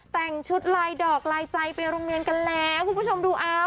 แต่งชุดลายดอกลายใจไปโรงเรียนกันแล้วคุณผู้ชมดูเอา